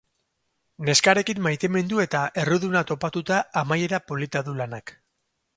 Neskarekin maitemindu eta erruduna topatuta amaiera polita du lanak.